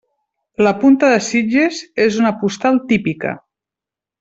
La Punta de Sitges és una postal típica.